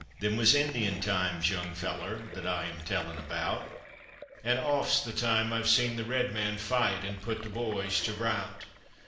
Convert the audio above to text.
Them was Indian times, young feller, that I am telling about; An' oft's the time I've seen the red man fight an' put the boys to rout.